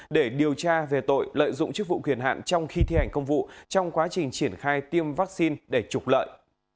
để điều tra về tội lợi dụng chức vụ quyền hạn trong khi thi hành công vụ trong quá trình triển khai tiêm vaccine để trục lợi